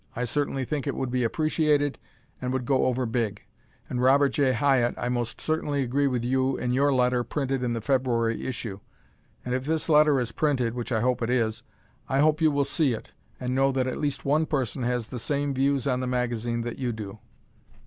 I certainly think it would be appreciated and would go over big. And Robert J. Hyatt, I most certainly agree with you in your letter printed in the February issue; and if this letter is printed (which I hope it is) I hope you will see it, and know that at least one person has the same views on the magazine that you do.